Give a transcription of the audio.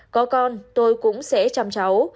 có con tôi cũng sẽ chăm cháu